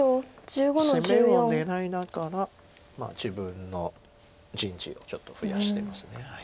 攻めを狙いながら自分の陣地をちょっと増やしてます。